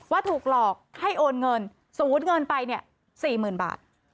ว่าถูกหลอกให้โอนเงินสมมุติเงินไปเนี่ย๔หมื่นบาท